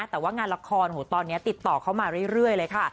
แต่ว่างานละครตอนนี้ติดต่อเข้ามาเรื่อยเลยค่ะ